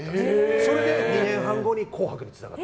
それで２年半後に「紅白」につながった。